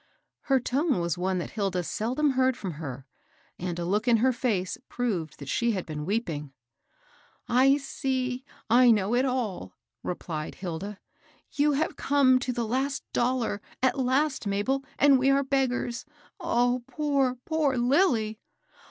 Her tone was one that Hilda seldom heard from her, and a look in her &ce proved that she had been weeping. "I see, — I know it all!" rephed Hilda. " You have come to the last dollar, at last, Mabel, and we are beggars 1 Oh, poor, poor Lilly